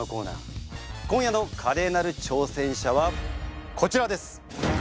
今夜のカレーなる挑戦者はこちらです！